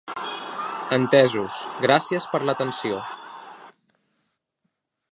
Entesos, gràcies per l'atenció.